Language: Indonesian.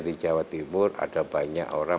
di jawa timur ada banyak orang